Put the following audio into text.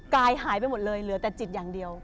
กายหายไปหมดเลยเหลือแต่จิตอย่างเดียว